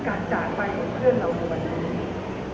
การจ่าไปกับเพื่อนเราในวันนี้